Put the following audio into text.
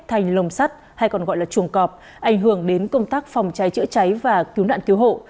thành lồng sắt hay còn gọi là chuồng cọp ảnh hưởng đến công tác phòng cháy chữa cháy và cứu nạn cứu hộ